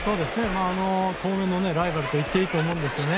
当面のライバルと言っていいと思うんですよね。